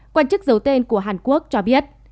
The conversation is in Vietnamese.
quan chức giấu tên của hàn quốc cho biết